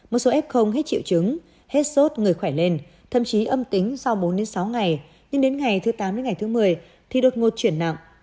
một số f hết triệu chứng hết sốt người khỏe lên thậm chí âm tính sau bốn sáu ngày nhưng đến ngày thứ tám đến ngày thứ một mươi thì đột ngột chuyển nặng